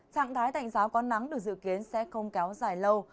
trạng thái tạnh giáo có nắng được dự kiến sẽ không kéo dài lâu